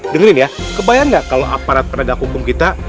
dengerin ya kebayang ga kalo aparat peradak hukum kita